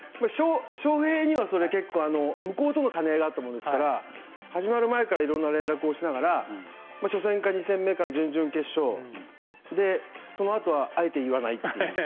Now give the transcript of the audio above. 翔平には結構向こうとの兼ね合いがあったので始まる前からいろいろ連絡しながら初戦か２戦目か準決勝でそのあとはあえて言わないという。